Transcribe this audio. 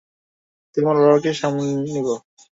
তোমার বাবাকে সামলে নিব।